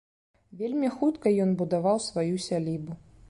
Вельмі хутка ён будаваў сваю сялібу.